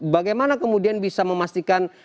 bagaimana kemudian bisa memastikan